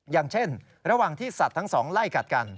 อย่างเช่นระหว่างที่สัตว์ทั้งสองไล่กัดกัน